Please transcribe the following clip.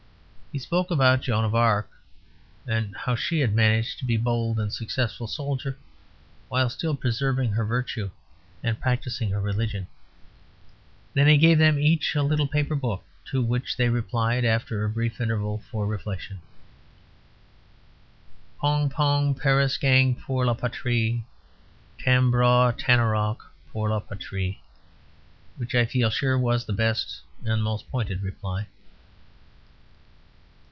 He spoke about Joan of Arc; and how she had managed to be a bold and successful soldier while still preserving her virtue and practising her religion; then he gave them each a little paper book. To which they replied (after a brief interval for reflection): Pongprongperesklang pour la patrie, Tambraugtararronc pour la patrie. which I feel sure was the best and most pointed reply.